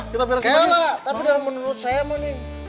ya pak tapi menurut saya mah nih